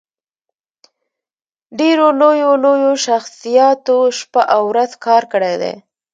ډېرو لويو لويو شخصياتو شپه او ورځ کار کړی دی